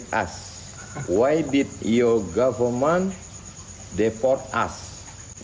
kenapa negara anda menolong kami